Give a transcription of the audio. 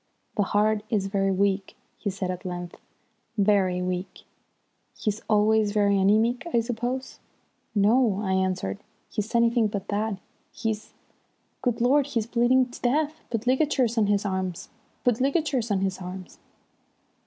"The heart is very weak," he said at length. "Very weak. He's always very anæmic, I suppose?" "No," I answered. "He's anything but that. He's Good Lord, he's bleeding to death! Put ligatures on his arms. Put ligatures on his arms."